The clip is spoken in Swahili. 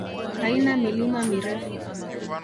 Haina milima mirefu.